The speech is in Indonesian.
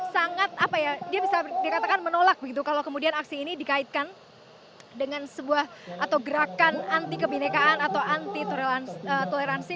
sangat apa ya dia bisa dikatakan menolak begitu kalau kemudian aksi ini dikaitkan dengan sebuah atau gerakan anti kebinekaan atau anti toleransi